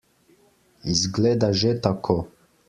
Izgleda že tako.